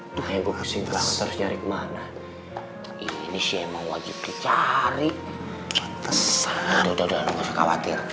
itu harus nyari mana ini sih emang wajib dicari